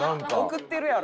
送ってるやろ。